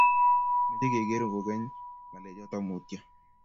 Meche kegeer kogeny ngalechoto mutyo